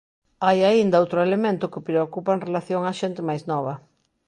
Hai aínda outro elemento que preocupa en relación á xente máis nova.